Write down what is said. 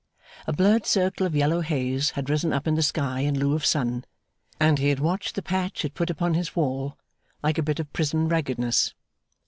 A blurred circle of yellow haze had risen up in the sky in lieu of sun, and he had watched the patch it put upon his wall, like a bit of the prison's raggedness.